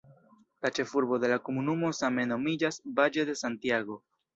La ĉefurbo de la komunumo same nomiĝas "Valle de Santiago".